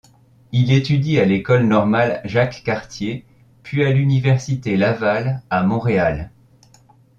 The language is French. Il étudie à l'École normale Jacques-Cartier puis à l'Université Laval à Montréal.